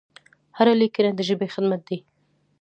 هره لیکنه د ژبې خدمت دی.